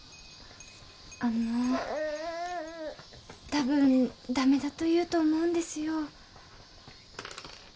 あのたぶんダメだと言うと思うんですよ